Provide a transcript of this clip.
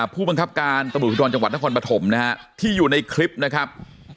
ผู้บังคับการตะบุทุดอนจังหวัดนครปฐมนะครับที่อยู่ในคลิปนะครับ